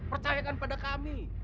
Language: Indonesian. percayakan pada kami